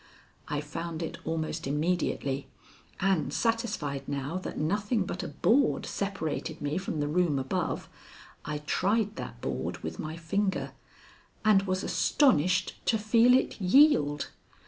I found it almost immediately, and, satisfied now that nothing but a board separated me from the room above, I tried that board with my finger and was astonished to feel it yield.